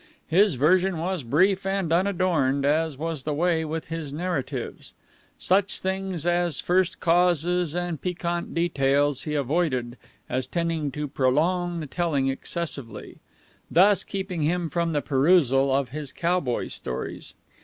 His version was brief and unadorned, as was the way with his narratives. Such things as first causes and piquant details he avoided, as tending to prolong the telling excessively, thus keeping him from the perusal of his cowboy stories.